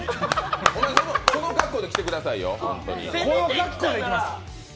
この格好で来てくださいよ、本当に。